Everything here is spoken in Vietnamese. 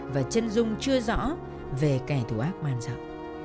và chân dung chưa rõ về kẻ thù ác man giặc